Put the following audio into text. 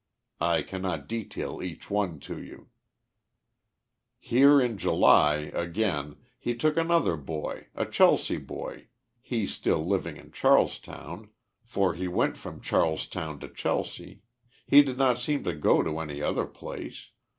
I cannot detail each one to 3 * 011 . Here in Juty, again, he took another bo}*, a Chelsea boy, he still living in Charlestown ; for he went from Charlestown to Chelsea ; he did not seem to go to any other place.